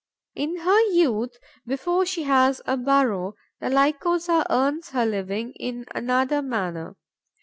In her youth, before she has a burrow, the Lycosa earns her living in another manner.